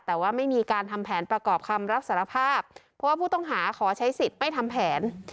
แต่ว่าไม่มีการทำแผนประกอบคำรับสารภาพเพราะว่าผู้ต้องหาขอใช้สิทธิ์ไม่ทำแผน